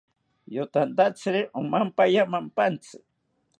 Yotantatziri omampaya mampantzi